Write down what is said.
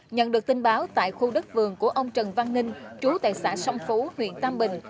nhận được tin báo tại khu đất vườn của ông trần văn ninh trú tại xã sông phú huyện tam bình